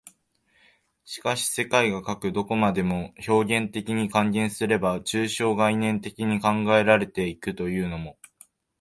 しかし世界がかく何処までも表現的に、換言すれば抽象概念的に考えられて行くというのも、